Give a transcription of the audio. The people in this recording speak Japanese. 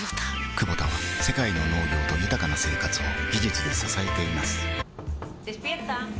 クボタは世界の農業と豊かな生活を技術で支えています起きて。